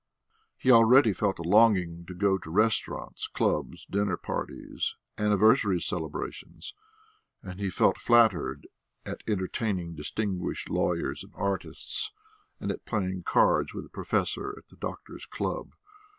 He already felt a longing to go to restaurants, clubs, dinner parties, anniversary celebrations, and he felt flattered at entertaining distinguished lawyers and artists, and at playing cards with a professor at the doctors' club.